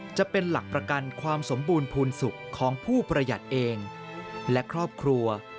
จะเป็นหลักประกันความสมบูรณ์ภูมิสุขของผู้ประหยัดเองและครอบครัว